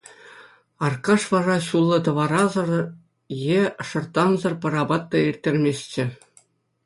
Аркаш вара ҫуллӑ тӑварасӑр е шӑрттансӑр пӗр апат та ирттерместчӗ.